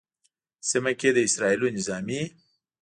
سیمه کې د اسرائیلو نظامي